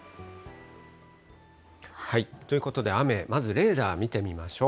ということで、雨、まずレーダー見てみましょう。